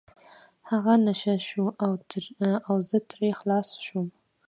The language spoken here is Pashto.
هغه نشه شو او زه ترې خلاص شوم.